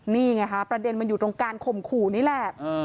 นี่ไงคะประเด็นมันอยู่ตรงการข่มขู่นี่แหละ